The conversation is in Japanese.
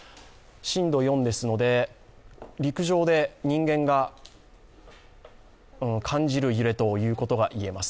震度４ですので陸上で人間が感じる揺れということが言えます。